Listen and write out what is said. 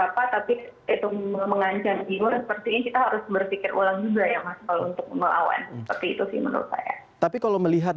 tapi kalau melihat dari masyarakat di indonesia ini apakah masyarakat di indonesia ini kalau dari segi psikologi kesejahteraan atau penyelamatan